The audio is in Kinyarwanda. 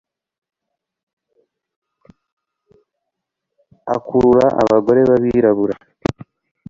Akurura abagore babirabura